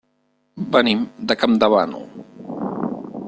Venim de Campdevànol.